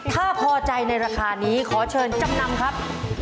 ถ้าพอใจในราคานี้ขอเชิญจำนำครับ